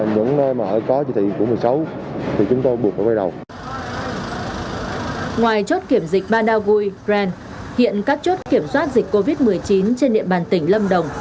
ngoài chốt kiểm dịch madagui brent hiện các chốt kiểm soát dịch covid một mươi chín trên địa bàn tỉnh lâm đồng